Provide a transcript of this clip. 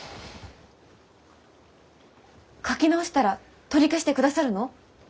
書き直したら取り消してくださるの？